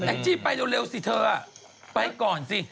จี้ไปเร็วสิเธอไปก่อนสิ